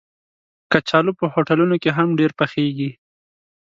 کچالو په هوټلونو کې هم ډېر پخېږي